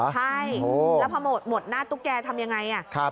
ใช่แล้วพอหมดหน้าตุ๊กแกทำยังไง